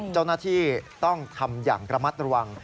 เจ้าหน้าที่ต้องทำอย่างระมัดระวัง